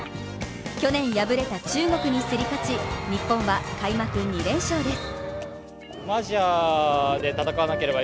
去年、敗れた中国に競り勝ち、日本は開幕２連勝です。